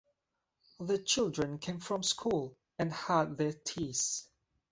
The children came from school and had their teas.